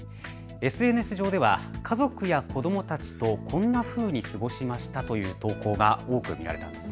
ＳＮＳ上では家族や子どもたちとこんなふうに過ごしましたという投稿が多く見られたんです。